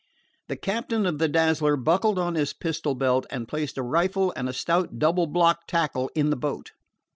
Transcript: The captain of the Dazzler buckled on his pistol belt, and placed a rifle and a stout double block tackle in the boat.